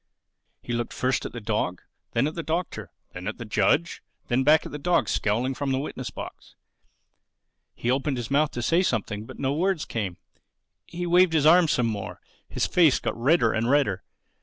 He looked first at the dog, then at the Doctor, then at the judge, then back at the dog scowling from the witness box. He opened his mouth to say something; but no words came. He waved his arms some more. His face got redder and redder.